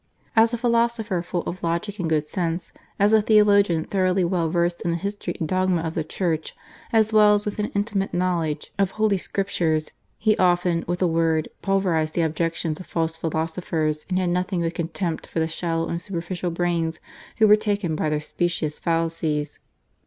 As a philo sopher full of logic and good sense, as a theologian thoroughly well versed in the histon' and dogma of the Church, as well as with an intimate knowledge of Holy Scriptures, he often, with a word, pul verized the objections of false philosophers, and had nothing but contempt for the shallow and superficial brains who were taken by their specious fallacies.